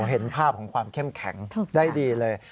เห็นภาพของความเข้มแข็งได้ดีเลย